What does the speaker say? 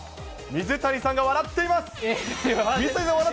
水谷さんが笑っている。